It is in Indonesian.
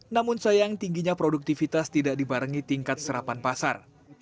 namun sayang tingginya produktivitas tidak dibarengi tingkat serapan pasar